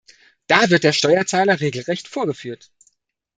Da wird der Steuerzahler regelrecht vorgeführt.